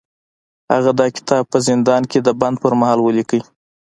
هغه دا کتاب په زندان کې د بند پر مهال ولیکه